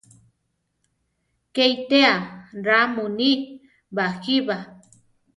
¡Ké itéa ra muní ! baʼjí ba!